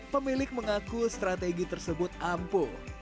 pemilik mengaku strategi tersebut ampuh